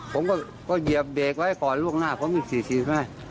ผมก็เหยียบเบรกไว้ก่อนล่วงหน้าเพราะมีสีไหม